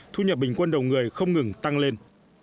thu nhập bình quân đầu người không ngừng tăng lên